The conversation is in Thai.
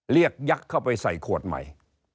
ยักษ์เข้าไปใส่ขวดใหม่